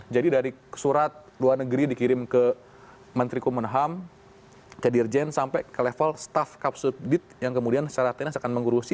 jadi dari surat luar negeri dikirim ke menteri kumham ke dirjen sampai ke level staff kapsul bid yang kemudian secara teknis akan mengurusi